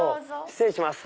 失礼します。